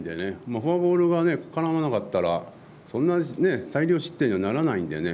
フォアボールが絡まなかったらそんな大量失点にはならないんでね